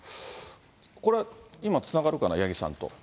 これ、今つながるかな、八木さんと。